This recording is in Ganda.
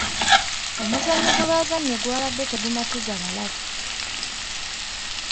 Omuzannyo gwe baazannye gwabadde tegumatiza balabi.